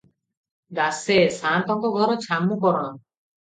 ଦାସେ ସା'ନ୍ତଙ୍କ ଘର ଛାମୁକରଣ ।